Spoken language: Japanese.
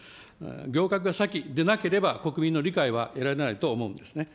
行革が先でなければ、国民の理解は得られないと思うんですね。